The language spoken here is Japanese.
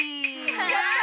やった！